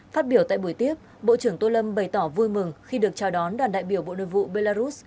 phát biểu tại buổi tiếp bộ trưởng tô lâm bày tỏ vui mừng khi được chào đón đoàn đại biểu bộ nội vụ belarus